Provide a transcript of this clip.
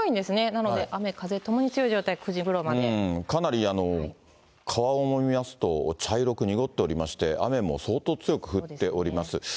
なので、雨風ともに強い状態、９かなり川面を見ますと、茶色く濁っておりまして、雨も相当強く降っております。